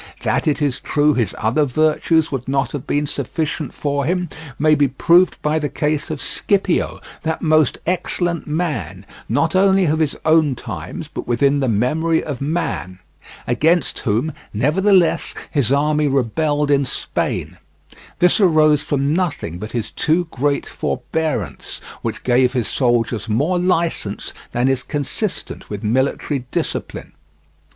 That it is true his other virtues would not have been sufficient for him may be proved by the case of Scipio, that most excellent man, not only of his own times but within the memory of man, against whom, nevertheless, his army rebelled in Spain; this arose from nothing but his too great forbearance, which gave his soldiers more license than is consistent with military discipline.